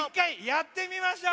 やってみましょう。